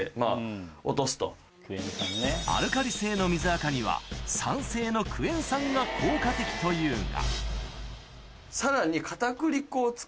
アルカリ性の水あかには酸性のクエン酸が効果的というがさらに。